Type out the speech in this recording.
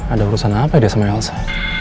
ada urusan apa dia sama elsa